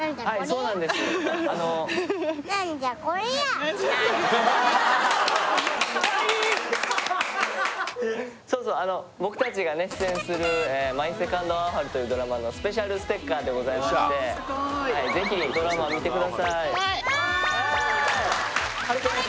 そうなんです僕たちがね出演する「マイ・セカンド・アオハル」というドラマのスペシャルステッカーでございましてぜひドラマ見てください